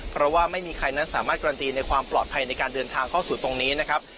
เพราะว่าไม่มีใครนั้นสามารถการันตีในความปลอดภัยในการเดินทางเข้าสู่ตรงนี้นะครับ